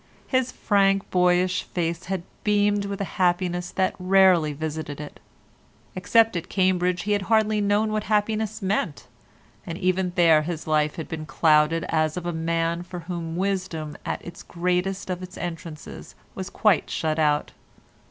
His frank, boyish face had beamed with a happiness that had rarely visited it. Except at Cambridge he had hardly known what happiness meant, and even there his life had been clouded as of a man for whom wisdom at the greatest of its entrances was quite shut out.